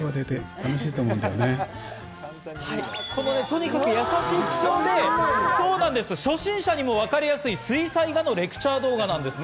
とにかく、やさしい口調で初心者にもわかりやすい水彩画のレクチャー動画なんです。